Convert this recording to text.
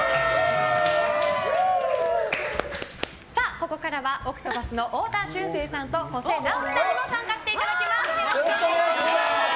ここからはＯＣＴＰＡＴＨの太田駿静さんと古瀬直輝さんにも参加していただきます。